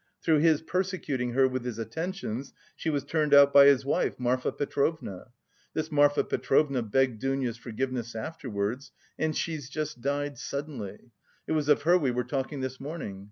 Through his persecuting her with his attentions, she was turned out by his wife, Marfa Petrovna. This Marfa Petrovna begged Dounia's forgiveness afterwards, and she's just died suddenly. It was of her we were talking this morning.